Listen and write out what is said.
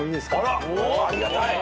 ありがたい。